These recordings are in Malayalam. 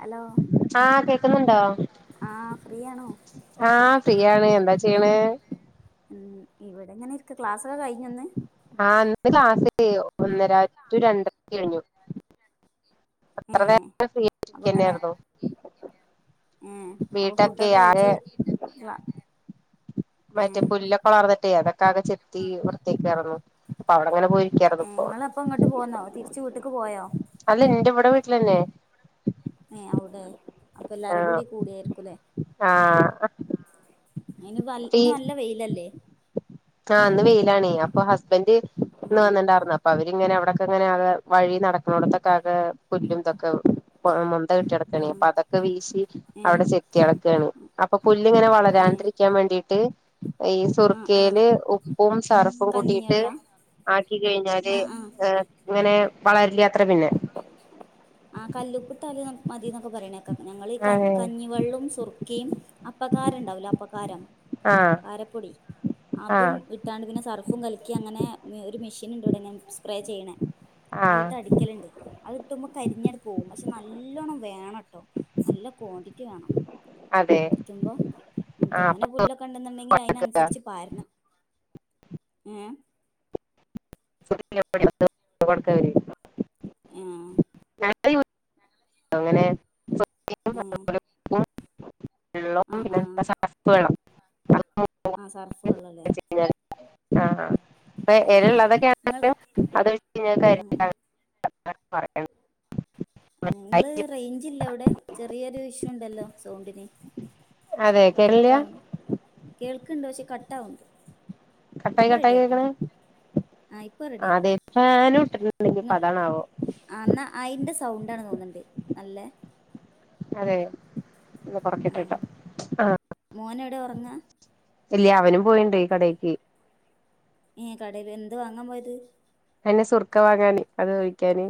ഹലോ ആഹ് കേക്ക്ന്ന്ണ്ടോ ആ ഫ്രീ ആണോ ആഹ് ഫ്രീയാണ് എന്താ ചെയ്യ്ണെ ഉം ഇവടെങ്ങനെരിക്ക ക്ലാസ്സൊക്കെ കഴിഞൊ ന്ന് ആഹ് ന്ന് ക്ലാസ് ഒന്നര ടു രണ്ടരക്ക് കഴിഞ്ഞു അത്ര ഉം നേരം ഫ്രീ അപ്പൊങ്ങനെ ആയിട്ടിരിക്കന്നെയായിരുന്നു ഉം അപ്പൊ വീട്ടൊക്കെ ഫുഡൊക്കെ ആകെ കഴിച്ച് ക്ലാ ഏ മറ്റേ പുല്ലൊക്കെ വളർന്നിട്ടേ അതൊക്കാകെ ചെത്തി വൃത്തിയാക്കാർന്നു അപ്പൊ അവടെങ്ങനെ പോയി ഉം ഇങ്ങളപ്പ ഇങ്ങട്ട് പോന്നോ തിരിച്ച് വീട്ട്ക്ക് പോയോ അല്ല എന്റെ ഇവിടെ വീട്ടിലന്നെ ഏയ് അവടെ അപ്പൊ എല്ലാരും ആഹ് കൂടി കൂടിയായിരിക്കു ലെ ആഹ് അയ്ന് വൽ ഇന്ന് നല്ല വെയിലല്ലേ ആഹ് ഇന്ന് വെയിലാണേ അപ്പൊ ഹസ്ബന്റ് ഇന്ന് ഉം വന്ന്ണ്ടാർന്നു അപ് അപ്പൊ അവരിങ്ങനെ അവടെക്കെങ്ങനാകെ വഴി നടക്കണോട്ത്തൊക്കാകെ പുല്ലും തൊക്കെ ആഹ് മൊന്ത കെട്ടി കെടക്കാണേ ഉം അപ്പതൊക്കെ വീശി ഏ അവടെ ചെത്തി എളക്കാണ് അപ്പൊ പുല്ല്ങ്ങനെ ഏ വളരാണ്ടിരി ക്കാൻ വേണ്ടീട്ട് ഈ ആ ആ സുർക്കേല് ഉപ്പും സർഫും കൂട്ടീട്ട് കഞ്ഞിവെള്ള ആക്കി കെയ്ഞ്ഞാല് ആ ആ ഏ ഇങ്ങനെ വളരില്ല ത്രെ പിന്നെ ആ കല്ലുപ്പ്ട്ടാല് മതിന്നൊക്കെ പറയ്ണേക്ക ഞങ്ങള് ഈ ക അതെ കഞ്ഞിവെള്ളവും സുർക്കിം അപ്പക്കാരം ണ്ടാവല്ലൊ അപ്പക്കാരം ആഹ് കാരപ്പൊടി അതും ആഹ് ഇ ട്ടാണ്ട് പിന്നെ സർഫും കലക്കി അങ്ങനെ ഒരു മിഷീൻ ണ്ട് ഇവടെങ്ങനെ സ്പ്രേ ചെയ്യ്ണേ ആഹ് അത്ട്ട് അടിക്കല്ണ്ട് അത് ഇട്ടുമ്പ കരിഞ്ഞണ്ട് പോം പക്ഷെ നല്ലോണം വേണംട്ടോ നല്ല ക്വാണ്ടിറ്റി വേണം അതെ അടിക്കുമ്പോ ഉം ആഹ് തോനെ പുല്ലൊ ക്കെണ്ട്ന്ന്ണ്ടെങ്കില് അയ്നനുസരിച്ച് പാരണം ഏ [unintelligible] ആഹ് [unintelligible] അങ്ങനെ ഉപ്പും ഉം വെള്ളവും [unintelligible] ആഹ് സർഫു അങ്ങനെ വെള്ളല്ലേ അപ്പൊ ആ എലള്ളതൊക്കെ ആണെങ്കിലും നിങ്ങൾ അത് ഒഴിച്ച് ആ ഞാൻ ആ [unintelligible] നിങ്ങള് റേഞ്ചയില്ല അവിടെ ചെറിയൊരു ഇഷ്യൂ ഉണ്ടല്ലോ സൗണ്ടിന് അതെ തെക്ക കേരള കേൾക്കണ്ട് പക്ഷെ കട്ടാവുണ്ട് കട്ടായി കട്ടായി കേക്കണ ആ ഇപ്പം റെഡിയാ അതെ ഫാനും ഇട്ടിട്ടണ്ടെ നിങ്ങ അതാണ ആവോ ആ എന്നാ അതിൻ്റെ സൗണ്ടാണ് തോന്നുന്നുണ്ട് നല്ലേ അതെ ഒന്ന് ആ കൊറക്കട്ടെട്ടോ ആഹ് മോന് എവിടെ ഉറങ്ങാ ഇല്ല അവനും പോയണ്ട് ഈ കടക്ക് ഈ കടയിൽ എന്ത് വാങ്ങാൻ പോയത് അതിന് സുർക്ക വാങ്ങാന് അത് ഒഴിക്കാന്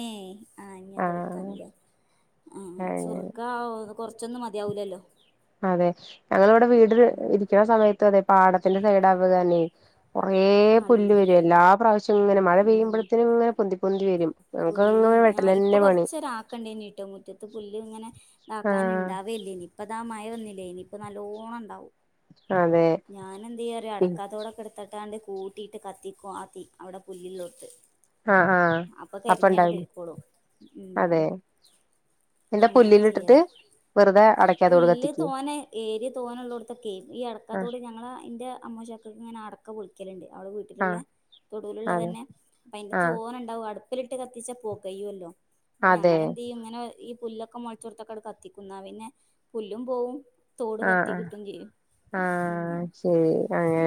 ഏയ് ആ ഇനി അത് ഒഴിക്കാനില്ലേ ആ അങ്ങനെ സുർ ക്കാ കുറച്ചൊന്നും മതിയാവില്ലല്ലോ അതെ ഞങ്ങളിവിടെ വീട് ഉം ഇരിക്കണ സമയത്ത അതെ പാടത്തിന്റെ സൈഡ് ആവുകന്നേ കൊറേ പുല്ല് നല്ല വരും ഫുൾ. എല്ലാ പ്രാവശ്യവും ഇങ്ങനെ മഴ ഉം പെയ്യുമ്പോഴത്തിനും ഇങ്ങനെ പൊന്തി പൊന്തി വരും ഞങ്ങക്ക് പുല്ല് ഇങ്ങനെ ആ ഇപ്പൊ വെട്ടലന്നെ പണി കൊറച്ചര ആക്കണ്ടീട്ടോ മുറ്റത്ത് പുല്ല് ഇങ്ങനെ ഇതാക്കാനൻ ആഹ് ഉണ്ടാവല്ലേനി ഇപ്പ ഇതാ മഴ വന്നില്ലേ ഇനിയിപ്പ നല്ലോണ്ണം ഉണ്ടാവും അതെ ഞാൻ എന്ത് ചെയ്യ അടക്കാത്തോടൊക്കെ എടുത്തട്ടാണ്ട് കൂ ട്ടി ഇട്ട് കത്തിക്കും അ തീ അവിടെ പുല്ലിലൊട്ത്ത് ആഹ് ആഹ് അപ്പൊ അപ്പ കരിഞ്ഞാട് ഇണ്ടാവില്ലേ പോയിക്കോളൂ ഉം എല്ലാ അങ്ങനൊക്കെ പുല്ലില് ഇട്ടിട്ട് ചെയ്യലാ വെറുതെ അടക്ക പുല്ല് തോനെ ഏരിയ തോന ഉള്ളിടത്തൊക്കെ ഈ അട ആഹ് ക്കത്തോട് ഞങ്ങൾ എൻ്റെ അമ്മ്ശക്കെ ഇങ്ങെനെ അടക്ക പൊളിക്കലണ്ട് അവിടെ വീ ട്ടിലുള്ള ആഹ് തൊടുവിലുള്ള അതെ തന്നെ അപ്പ അതിന്റെ ആഹ് ചോന ഉണ്ടാവും അടു പ്പിലിട്ട് കത്തിച്ച പുകയല്ലോ അപ്പൊ അതെ ഞങ്ങെന്ത് ചെയ്യും ഇങ്ങനെ ഈ പുല്ല് ഒക്കെ മുളിച്ചോടത്തൊക്കെട കത്തിക്കും എന്നാ പിന്നെ പുല്ലും പോവും തോട് ആഹ് കത്തി ആഹ് കിട്ടും ചെയ്യും ഉം ആഹ് ശരി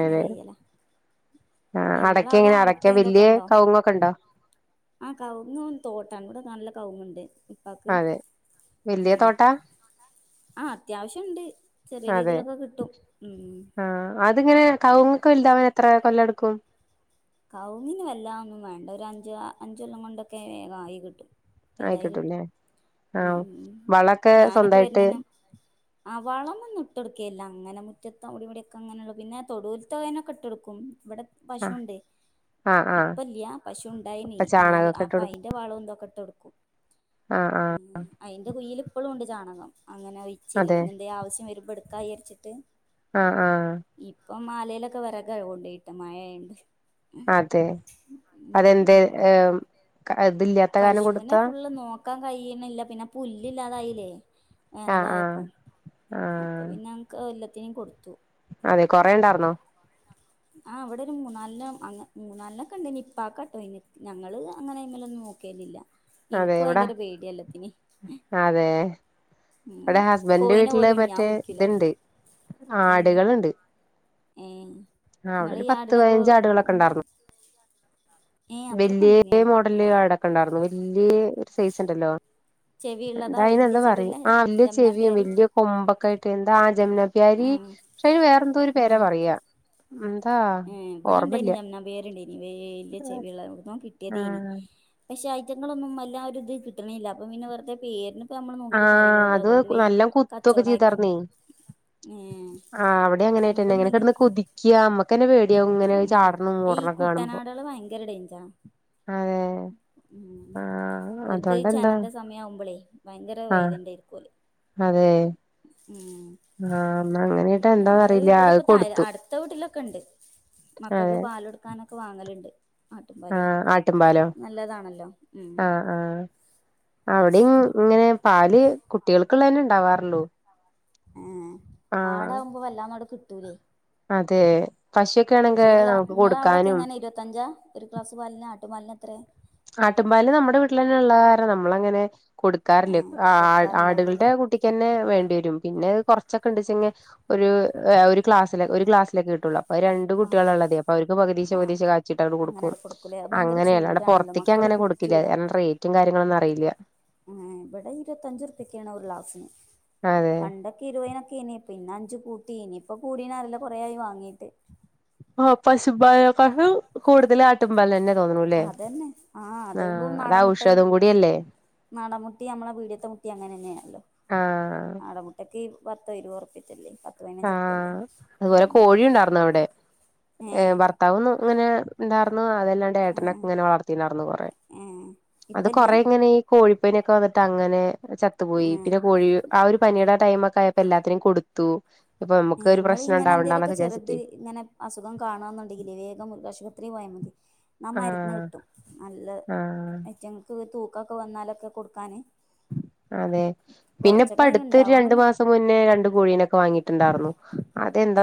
അങ്ങനെ ചെയ്യല ആഹ് ഇങ്ങളെ അടയ്ക്ക അവിടെ എങ്ങനെ അടക്ക അടയ്ക്ക ഇതൊക്കെ വല്യ ഉണ്ടോ കവുങ്ങൊക്കെ ഉണ്ടോ ആഹ് കവുങ് തോട്ടം കൂടെ നല്ല കവുങ്ങുണ്ട് പാക്ക് അതെ ഉ വല്യ തോട്ടാ ആഹ് അത്യാവശ്യണ്ട് ചെറിയ അതെ രീതിയിലൊക്കെ കിട്ടും ഉം ആഹ് അതിങ്ങനെ പിന്നെ കവുങ്ങ് വലുതാവാൻ എത്ര കൊല്ലം എടുക്കും കൗങ്ങിന് വല്ലാ ഒന്നും വേണ്ട ഒരു അഞ്ച് അഞ്ച് കൊല്ലം കൊണ്ടൊക്കെ വേഗമായി കിട്ടും വലുതായി കിട്ടും ആയിക്കിട്ടൂല്ലേ ഉം ആഹ് ഉം വളൊക്കെ ഞാനൊക്കെ സ്വന്തായിട്ട് വരുന്നേന്നും ആ വളം ഒന്നും ഇട്ട്കൊടുക്കല്ല അങ്ങനെ മുറ്റത്ത് അടിവിടൊക്കെ അങ്ങനെ ഉള്ളൂ പിന്നെ തൊടുൽത്തേനൊക്കെ ഇട്ട് കൊടുക്കും ഇവിടെ ആഹ് പശുണ്ടേ ആഹ് ആഹ് ഇപ്പല്ലയാ പശു ഉണ്ടായിനീ അപ്പൊ എന്നാല് ചാണകൊക്കെ ഇട്ട് അപ്പ കൊടുക്കും അയിൻ്റെ വളന്തൊക്കെ ഇട്ടു കൊടുക്കും ആഹ് ഉ ആഹ് അയിന്റെ കുൽ ഇപ്പോഴും ഉണ്ട് ചാണകം അങ്ങനെ ഒഴിച്ചില്ല അതെ പിന്നെ എന്ത ആവശ്യം വരുമ്പോ എടു ക്കാ വിചാരിച്ചിട്ട് ആഹ് ആഹ് ഇപ്പം മാലയിലൊക്കെ വിറക് കൊണ്ട് പോയി ഇട്ട് മഴ ആയോണ്ട് അതെ അതെന്താ ഏ അതില്ലാത്ത കാരണം പശുവിനെ കൊടുത്താ ഫുള്ള് നോക്കാൻ കഴണില്ല പിന്നെ പുല്ലില്ലാതായില്ലേ ആഹ് ആഹ് വേനലായപ്പം അപ്പോൾ ആഹ് പിന്നെ അൻക് എല്ലാത്തിനെയും കൊടുത്തു അതെ കൊറെ ഉണ്ടായിരുന്നോ ആഹ് അവിടെ ഒരു മൂന്നാലാം മൂന്നാല ഒക്കെ ഉണ്ടേനി ഇപ്പാ ആ ഘട്ടം ഒഴിഞ് ഞങ്ങള് അങ്ങനെ ഒന്ന് നോക്കും കേലില്ല [unintelligible] അതെ എവിട അതെ ഉം ഇവിടെ ഹസ്ബൻഡന്റെ കോയിനെ വീട്ടില് പോലും ഞാൻ മറ്റേ പിടിക്കൂല ഇതയുണ്ട് എന്ന് ആടുകളുണ്ട് ഏഹ് ആഹ് അവിടെ ഇങ്ങളി ഒരു പത്ത് ആടിനൊക്കെ പതിനഞ്ച് ആടുകളൊക്കെ ഉം വല്യേ മോഡല് ആടൊക്കെ ഉണ്ടാര്ന്നു വല്യേ ഒരു സൈസ് ഇണ്ടല്ലോ ചെവിയുള്ളതാ എന്തായിന് വല്യ എന്താ പറയും ചെവിയുള്ള ആഹ് വല്യ ചെവിയും ജമുനാപ്യാരി വല്യ കൊമ്പൊക്കെ ആയിട്ട് എന്താ ആഹ് ജമ്നാപ്യാരി ആഹ് പക്ഷെ അയിന് വേറെന്തോ ഒരു പേരാ പറയാ എന്താ ഉം ഇവിടെ ഇണ്ടേനി ഓർമ്മല്ല ജമ്നാപ്യാരി ഇണ്ടേനി വല്യ ചെവിയുള്ളത് എവിട്ന്നോ കിട്ടിയതേനി ആഹ് പക്ഷെ ഐറ്റങ്ങളൊന്നും വല്ലാ ഒരിത് കിട്ടണില്ല അപ്പൊ പിന്നെ വെറുതെ പേരിന് ഇത് ഞമ്മള് നോക്കിട്ടും ആഹ് കാര്യമില്ലല്ലോ അത് അതോണ്ട് വേഗം നല്ലോം കുത്തൊക്കെ കച്ചോടാക്കി ചെയ്താർന്നേ ഉം ആഹ് അവിടെ കൊമ്പ് അങ്ങനായിട്ടന്നെ ഇങ്ങനെ ഉണ്ടെങ്കി കെടന്ന് കൊതിക്ക അമ്മക്കന്നെ പേടിയാവും ഇങ്ങനെ ഉം ചാടണും ഈ ഓടണൊക്കെ കാണുമ്പോ കുട്ടനാടുകള് ഭയങ്കര ഡേഞ്ചറാ അതെ ഉം ആഹ് അവർക്ക് ഈ അതോണ്ടെന്താ ചെനെന്റെ സമയാവുമ്പളേ ഭയങ്കര ആഹ് വൈലന്റായിരിക്കു ഓല് അതെ ഉം ആഹ് എന്നാ അങ്ങനെട്ട എന്താന്ന് അറീല്ല അത് കൊടുത്തു അപ്പർത്തെ വീട്ടിലൊക്കെ ഇണ്ട് മക്കക്ക് അതെ പാലൊടുക്കാനൊക്കെ വാങ്ങലുണ്ട് ആട്ടുംപാലേ ആഹ് ആട്ടുംപാലോ നല്ലതാണല്ലോ ഉം അവിടേം ഇങ്ങനെ പാല് കുട്ടികൾക്ക് ഉള്ളത് തന്നെ ഉണ്ടാവാറൊള്ളൂ ഉം ആടാകുമ്പോ വല്ലാത [unintelligible] ങ്ങട കിട്ടൂലേ അതേ പശുവെക്കെ ആണെങ്കിൽ നമുക്ക് കൊടുക്കാനും പത്തഞ്ചാ ഒരു ഗ്ലാസ്സ് പാലിന് ആട്ടു പാലിന് എത്രയ ആട്ടും പാല് നമ്മുടെ വീട്ടില് തന്നെ ഉള്ളത് കാരണം നമ്മളങ്ങനെ കൊടുക്കാറില്ലേ ഏഹ് ആ കൊടുക്കാറുണ്ടാവൂലല്ലേ ആടുകളുടെ കുട്ടി യ്ക്കന്നെ വേണ്ടി വരും പിന്നെ കൊറച്ചൊക്കെ കൊറച്ചൊക്കെ കൊണ്ട് വെച്ചെങ്കി ഒരു ഒരു ഗ്ലാസ്സ്- ല് ഒരു ഗ്ലാസ്‌സിലൊക്കെ കിട്ടൊള്ളൂ അത് രണ്ട് കുട്ടികളാ ആഹ് ഉള്ളതേ അപ്പൊ അവർക്ക് പകതീച്ചേ ആഹ് പകതീച്ചേ കാച്ചിട്ട് അങ്ങട് കൊടുക്കും അങ്ങനെട് കൊടുക്കൂലേ അത് ഭയങ്കര അങ്ങനെയല്ലാതെ ചൂരാണല്ലോ പൊറത്തെ - യ്ക്ക്‌ മക്കള് അങ്ങനെ കൊടുക്കില്ല കുടിക്കൂല റേറ്റും കാര്യങ്ങളൊന്നും അറിയില്ല ഏഹ് ഇവിടെ ഇരുപത്തഞ്ച് റുപ്യക്കാണ് ഒരു ഗ്ലാസ്സിന് അതെ പണ്ട് - ക്കെ ഇരുപതിനൊക്കെനി പിന്നെ അഞ്ച് കൂട്ടീ ഇനി ഇപ്പൊ കൂടീണോ അറീല കൊറേ ആയി വാങ്ങീട്ട് ഓഹ് പശുമ്പാലിനെക്കാട്ടിലും കൂടുതല് ആട്ടുംപാല് തന്നെ തോന്നണു ഇല്ലേ ആഹ് അതാവും - ഔഷധം കൂടിയല്ലേ നാടമ്മുട്ടിം അമ്മളെ പീടിയത്തെ മുട്ടിം അങ്ങനെന്നേണല്ലോ ആഹ് നാടമു മുട്ടക്ക് പത്തോ ഇരുപതൊ റുപ്പിയ വച്ചല്ലേ പതിനഞ്ച് റുപ്പിയ അല്ലേ ന്നവിടെ ഏഹ് ഭർത്താവൊന്നു അങ്ങനെ ഉണ്ടാർന്നു അതല്ലാ എന്റെ ഏട്ടനൊക്കെ ഏഹ് ഇങ്ങനെ വളർത്തിണ്ടാർന്നു കൊറേ അത് ഏഹ് കൊറേ അത് ഇപ്പല്ല്യ കൊറേ ഇങ്ങനീ കോഴിപ്പനിയൊക്കെ വന്നിട്ട് അങ്ങനെ ചത്തുപോയി പിന്നെ ഏഹ് കോഴി ആ ഒരു പനിയുടെ ടൈമൊക്കെ ആയപ്പോ എല്ലാത്തിനേം കൊടുത്തു ഇപ്പൊ നമുക്ക് ഒരു പ്രശ്നം നിങ്ങളിങ്ങനെ എന്തേലൊക്കെ ഉണ്ടാവണ്ടന്നൊക്കെ ചെറുത് വിചാരിച്ചിട്ട് ഇങ്ങനെ അസുഖം കാണുന്നുണ്ടെങ്കിലേ വേഗം മൃഗാശുപത്രി പോയാ മതി [unintelligible] മരുന്ന് ആഹ് കിട്ടും നല്ല ആഹ് [unintelligible] തൂക്കൊക്കെ വന്നാലൊക്കെ കൊടുക്കാന് അതെ പിന്നെ ഇപ്പൊ കുറച്ചൊക്കെ അടുത്തൊരു രണ്ടു ഉണ്ടാവണംന്ന് മാസം മുന്നേ രണ്ട് കോഴീനൊക്കെ വാങ്ങിട്ട് ഉണ്ടാരുന്നു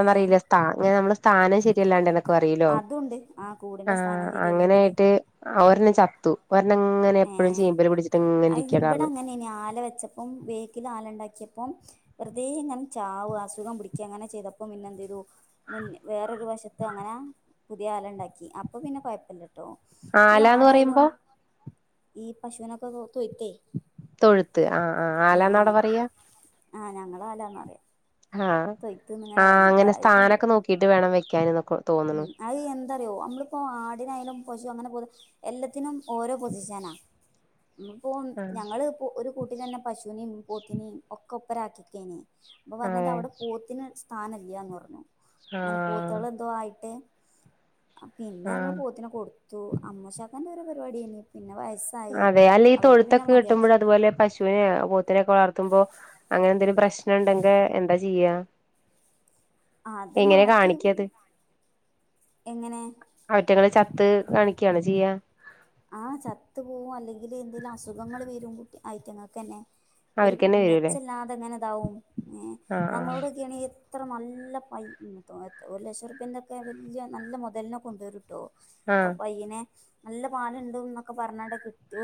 ഏ [unintelligible] നമ്മള് സ്ഥാനം ശരിയല്ലാണ്ട് എന്നൊക്കെ പറയല്ലോ അതുണ്ട് ആ കൂടിന്റെ സ്ഥാനം ആഹ് അങ്ങനെ ശരിയല്ലെങ്കില് ആയിട്ട് ആഹ് ഒരെണ്ണം ചത്തു ഒരെണ്ണം ഇങ്ങനെ എപ്പഴും ചീമ്പല് പിടിച്ചിട്ട് ഇങ്ങനെ ഇരിക്കണ്ടാർന്ന് [unintelligible] അപ്പം വെറുതെ ഇങ്ങനെ ചാവ അസുഖം പിടിയ്ക്കയും അങ്ങനെ ചെയ്തപ്പം പിന്നെ എന്ത് ചെയ്തു മുൻ വേറൊരു വശത്ത് അങ്ങനെ പുതിയ ആല ഉണ്ടാക്കി അപ്പ പിന്നെ കൊഴപ്പില്ല ട്ടോ ഈ ആലാന്ന് ആടായാലും പറയുമ്പോ ഈ പശുവിനൊക്കെ [unintelligible] തൊഴുത്ത് ആഹ് ആഹ് ആലാന്ന അവിടെ പറയാ ആഹ് ഞങ്ങള് ആലാന്ന പറയാ ആഹ് തൊയ്ത്ത്ന്ന് ഇങ്ങനെ ആഹ് പറയണ് ഇപ്പ അങ്ങനെ ഇപ്പം സ്ഥാനൊക്കെ നോക്കിട്ട് വേണം വെയ്ക്കാനിന്നൊക്കെ തോന്ന്ണു ഉം അത് എന്താറിയുമോ നമ്മളിപ്പോൾ ആടിനായാലും പശു അങ്ങനെ പോന്ന എല്ലാത്തിനും ഓരോ പൊസിഷനാ [unintelligible] ആഹ് ഞങ്ങള് ഇപ്പോ ഒരു കൂട്ടി തന്നെ പശുവിനെയും പോത്തിനെയും ഒക്കെ [unintelligible] അപ്പൊ പറഞ്ഞത് അതെ അവിടെ പോത്തിന് സ്ഥാനം ഇല്ലാന്ന് പറഞ്ഞു അങ്ങനെ ആഹ് പോത്തുകൾ എന്തോ ആയി ട്ട് പിന്നെ ആഹ് ഞങ്ങള് പോത്തിനെ കൊടു ത്തു അമ്മ [unintelligible] ഒരോ പരിപാടിയാനെ പിന്നെ വയസ്സ് അതെ അല്ല ഈ തൊഴുത്തൊക്കെ കെട്ടുമ്പോൾ അതുപോലെ പശു വിനെ പോത്തിനെക്കെ വളർത്തുമ്പോ അങ്ങനെ എന്തെങ്കിലും പ്രശ്നം ഉണ്ടെങ്കിൽ എന്താ ചെയ്യാ ആഹ് അത് എങ്ങനെ മാറ്റി കാണിക്കാ അത് എങ്ങനെ അവറ്റകള് ചത്ത് കാണിക്കുകയാണ് ചെയ്യ ആഹ് ചത്ത് പോവും അല്ലെങ്കില് എന്തെങ്കിലും അസുഖങ്ങൾ വരും കു [unintelligible] തന്നെ ഒരു അവർക്കന്നെ വരൂല്ലേ മെച്ചല്ലാതെ ഇങ്ങനെ ഇതാവും ഏഹ് ആഹ് ആഹ് നമ്മളോടൊക്കെയാണങ്കി അത്ര നല്ല പൈ ഉം ഒരു ലക്ഷം റുപ്യന്റെക്കെ ആണങ്കിൽ വലിയ നല്ല മുതലിനെ കൊണ്ടുവരും ട്ടോ അപ്പൊ ആഹ് പയ്യനെ നല്ല പാലുണ്ടൊന്നൊക്കെ പറഞ്ഞാണ്ട് കിട്ടി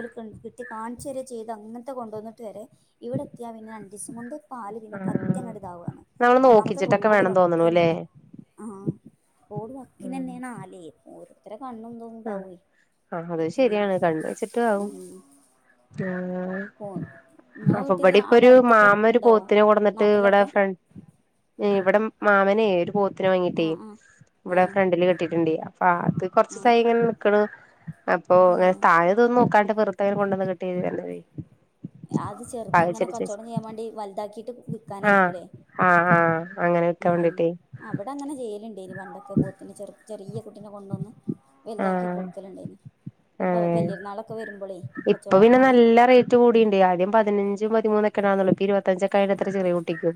കിട്ടി കാണിച്ച് വരെ ചെയ്ത് അങ്ങനത്തെ കൊണ്ടുവന്നിട്ട് വരെ ഇവിടെ എത്തിയാ പിന്നെ രണ്ട് ദിവസം കൊണ്ട് പാല് പിന്നെ ആഹ് പറ്റങ്ങട് ഇതാവാണ് നമ്മള് ഒന്നാമത് നോക്കിച്ചിട്ടൊക്കെ റോഡ് വേണം തോന്നണൂല്ലേ വക്കീനന്ന് ആഹ് റോഡ് വാക്കീന് ഉം തന്നെയാണ് ആലേ ഓരോരുത്തരുടെ കണ്ണന്തോ ആഹ് ഉണ്ടാവേ ആഹ് അത് പത്തിനാണ് ശരിയാണ് കണ്ണ് വെച്ചിട്ടാവും ഉം ആഹ് പോന്നു നിങ്ങളെ അപ്പൊ വീട്ടില് ഇവിടെ ഇപ്പൊ അവിടെ ഒരു അടുത്തൊക്കെ മാമ ഒരു ഉണ്ടോ പോത്തിനെ കൊണ്ട് വന്നിട്ട് ഇവിടെ നാട്ടിലൊക്കെ ഫ്രണ്ട് ഇവിടെ മാമനെ ഒരു പോത്തിനെ വങ്ങിട്ടേ ആഹ് ആഹ് ഇവിടെ ഏഹ് ഫ്രണ്ടില് കെട്ടിട്ടുണ്ട് അപ്പ അത് കൊറച്ച് ഏഹ് ദിവസായി ഇങ്ങനെ നിക്കണ് അപ്പൊ അങ്ങനെ ഏഹ് താഴെ ഇതൊന്നും നോക്കാണ്ട് വെറുതെ കൊണ്ടു വന്ന് [unintelligible] അത് ചെറുത് ഇങ്ങനെ കച്ചവടം ചെയ്യാൻ വേണ്ടി വലുതാക്കിയിട്ട് ആഹ് വിൽക്കാനായിരിക്കൂല്ലേ ആഹ് ആഹ് അങ്ങനെ വിക്കാൻ വേണ്ടിട്ടേ അവിടെ അങ്ങനെ ചെയ്യലുണ്ടേനി പണ്ടൊക്കെ പോത്തിന് ചെറു ചെറിയ കുട്ടിനെ കൊണ്ടുവന്ന് വലുതാക്കി ആഹ് കൊടുക്കലുണ്ടേനി ഇപ്പ ആഹ് വലിയ പെരുന്നാളൊക്കെ വരുമ്പോളേ കച്ചവടം ആക്കാന് എല്ലാം റേറ്റ് കൂടിയുണ്ട് ആദ്യം പതിനഞ്ചും പതിമൂന്നൊക്കൊണന്നള്ളൂ ഇരുപഞ്ചൊക്കെ ആയി എത്ര ചെറിയ കുട്ടിക്കും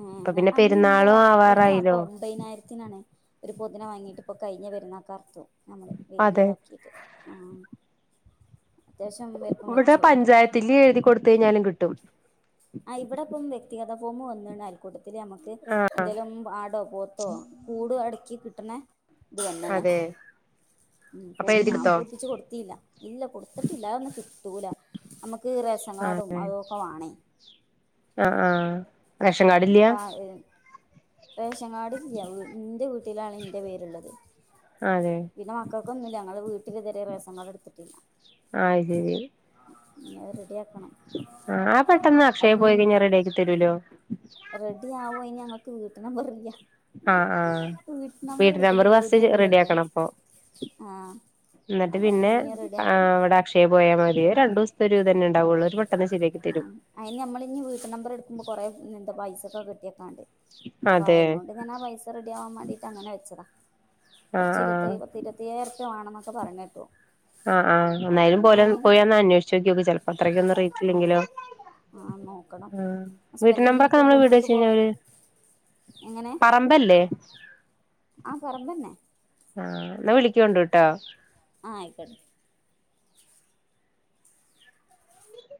ആഹ് അന്ന് എന്റെ ഇവിടുത്തെ വാപ്പ ആവാറായില്ലോ ഒമ്പതിനായിരത്തിനാണ് ഒരു പോത്തിനെ വാങ്ങിട്ട് ഇപ്പൊ കഴിഞ്ഞ പെരുന്നാൾക്ക് അറുത്തു നമ്മള് അതെ വലിയതാക്കിയിട്ട് ഉം ഇവിടെ പഞ്ചായത്തില് എഴുതി കൊടുത്ത കഴിഞ്ഞാലും കിട്ടും. ആഹ് ഇവിടെ ഇപ്പം വ്യക്തിഗത ഫോം വന്നുണ്ട് അയൽക്കൂട്ടത്തിലാണ്. ഇത് ആഹ് എന്തേലും ആടോ പോത്തോ കൂട് അടക്കി കിട്ടണം ഇത് തന്നെയാണ്. അതെ ഉം ഇപ്പൊ അപ്പൊ ഒന്നും ഞാൻ എഴുതിടുത്തോ പൊപ്പിച്ച് കൊടുത്തില്ല ഇല്ല കൊടുത്തിട്ടില്ലതൊന്നും കിട്ടൂല. നമുക്ക് റേഷൻ കാർഡും അതെ അതൊക്കെ വേണേ. ആഹ് ആഹ് റേഷൻ കാർഡ് ഇല്ല്യാ. താ റേഷൻ കാർഡ് ഇല്ല്യ ഇന്റെ വീട്ടിലാണ് എന്റെ പേരുള്ളത്. അതെ പിന്നെ മക്കൾക്കൊന്നുമില്ല ഞങ്ങള് വീട്ടിൽ ഇതുവരെ റേഷൻ കാർഡ് എടുത്തിട്ടില്ല. അത് ശരി. പിന്നെ റെഡി. ആക്കണം ആഹ് പെട്ടെന്ന് അക്ഷയ പോയി കഴിഞ്ഞാൽ റെഡിയാക്കി തരൂലോ. റെഡിയാവും അയിന് ഞങ്ങൾക്ക് വീട്ടുനമ്പറില്ല. ആഹ് ആഹ് വീട്ടുനമ്പർ പുതിയ ഫസ്റ്റ് വീടല്ലേ റെഡിയാക്കണം അപ്പൊ. ആഹ് എന്നിട്ട് അപ്പൊ പിന്നെ ഇനി റെഡി ആക്കണം ആഹ് ഇത്. അക്ഷയയിൽ പോയാൽ മതി രണ്ട് ദിവസത്തെ ഒരു തന്നെ ഉണ്ടാവുള്ളൂ, അവര് പെട്ടെന്ന് ശരിയാക്കി തരും. ആഹ് അയിന് നമ്മൾ ഇനി വീട്ട് നമ്പർ എടുക്കുമ്പോ കൊറെ ഇങ്ങനത്തെ പൈസ ഒക്കെ കെട്ടിവയ്ക്കാൻ ഉണ്ട് അപ്പൊ അതെ അതുകൊണ്ട്. അങ്ങനെ പൈസ റെഡിയാവാൻ വേണ്ടിയിട്ട് അങ്ങനെ വെച്ചതാ, കുറച്ച് ഇരുപ ആഹ് പത്ത് ഇരുപത്തിയേ യേഴ് റുപ്പിയെ വേണോ എന്നൊക്കെ പറയുന്ന കേട്ടു. ആഹ് ആഹ് അപ്പൊ എന്നായാലും പോലെ പിന്നെ ഇനി പോയൊന്ന് അന്വേഷിച്ച് നോക്കി നോക്ക് ചെലപ്പോ അത്രയ്ക്കൊന്നും റൈറ്റ്. ആഹ് ആഹ് നോക്കണം ആഹ് വീട്ട് ഹസ്ബന്റിന് നമ്പറൊക്കെ ഇപ്പൊ നമ്മള് വീട് ഗൾഫിക്ക് വെച്ച് പോ കഴിഞ്ഞാ അവര് എങ്ങനെ പറമ്പല്ലേ. ആഹ് പറമ്പ് തന്നെ. ആഹ് എന്നാ വിളിക്കോണ്ടുട്ടോ. ആയിക്കോട്ടെ.